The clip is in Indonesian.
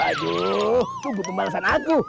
aduh tunggu pembalasan aku